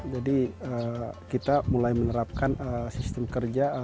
jadi kita mulai menerapkan sistem kerja